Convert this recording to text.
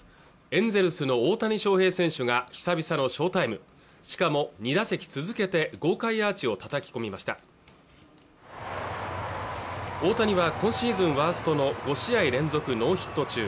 エンゼルスの大谷翔平選手が久々の翔タイムしかも２打席続けて豪快アーチをたたき込みました大谷は今シーズンワーストの５試合連続ノーヒット中